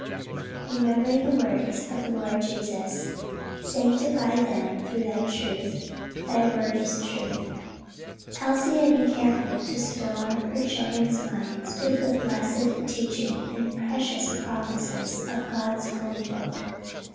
Remembering the words of the Lord Jesus, "Sanctify them through thy truth: thy word is truth," Elsie had been careful to store her children's minds with the blessed teachings and precious promises of God's holy Book.